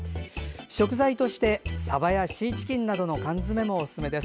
食材としてさばやシーチキンなどの缶詰もおすすめです。